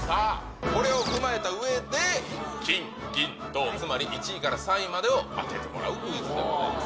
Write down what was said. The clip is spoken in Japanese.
これを踏まえたうえで、金、銀、銅、つまり１位から３位までを当ててもらうクイズでございます。